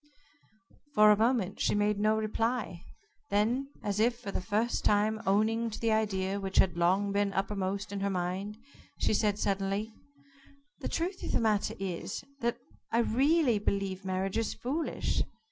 For a moment she made no reply. Then, as if for the first time owning to the idea which had long been uppermost in her mind, she said suddenly: "The truth of the matter is, that I really believe marriage is foolish.